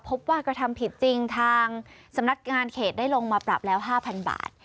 พบว่ากระทำผิดจริงทางสำนักงานเขตได้ลงมาปรับแล้ว๕๐๐บาท